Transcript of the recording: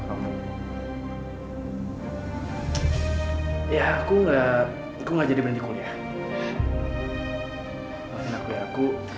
sampai berhenti kuliah segala itu